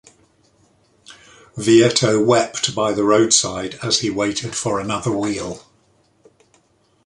Vietto wept by the roadside as he waited for another wheel.